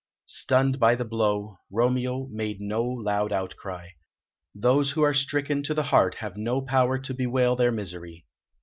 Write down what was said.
Stunned by the blow. Romeo made no loud outcry; those who are stricken to the heart have no power to bewail their misery.